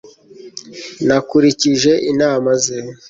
Nakurikije inama ze